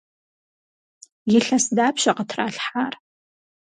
Илъэс дапщэ къытралъхьар?